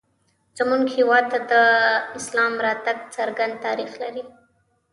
زموږ هېواد ته د اسلام راتګ څرګند تاریخ لري